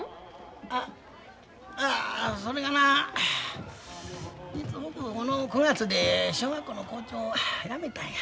あああそれがな実は僕この９月で小学校の校長辞めたんや。